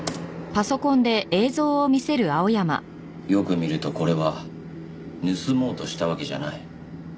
よく見るとこれは盗もうとしたわけじゃない。